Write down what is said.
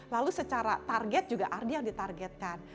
lalu secara target juga ardi yang ditargetkan